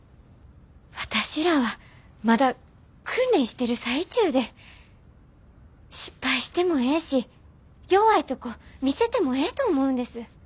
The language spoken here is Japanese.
私らはまだ訓練してる最中で失敗してもええし弱いとこ見せてもええと思うんです。